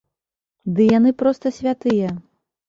Ды яны проста святыя!